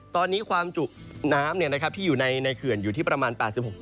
ตอนนี้ความจุน้ำที่อยู่ในเขื่อนอยู่ที่ประมาณ๘๖